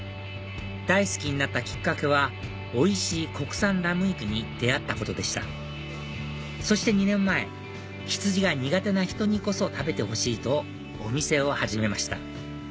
大好きになったきっかけはおいしい国産ラム肉に出会ったことでしたそして２年前羊が苦手な人にこそ食べてほしいとお店を始めました